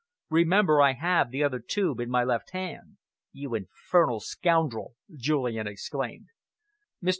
Remember I have the other tube in my left hand." "You infernal scoundrel!" Julian exclaimed. "Mr.